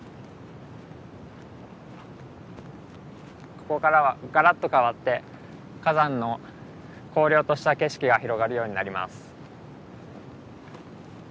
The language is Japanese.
ここからはガラッと変わって火山の荒涼とした景色が広がるようになります。